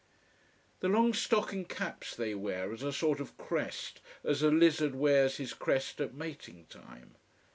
The long stocking caps they wear as a sort of crest, as a lizard wears his crest at mating time.